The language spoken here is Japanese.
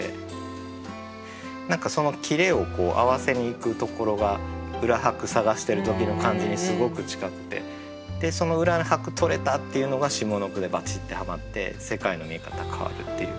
何かそのキレを合わせにいくところが裏拍探してる時の感じにすごく近くてその裏拍とれたっていうのが下の句でバチッてはまって世界の見え方変わるっていう。